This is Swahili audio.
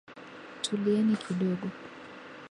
Tulieni kidogo.